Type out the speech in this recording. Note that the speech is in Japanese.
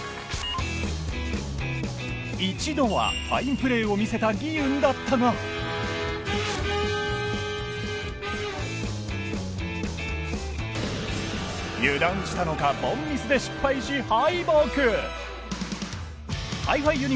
一度はファインプレーを見せたギユンだったが油断したのか凡ミスで失敗し敗北Ｈｉ−ＦｉＵｎ！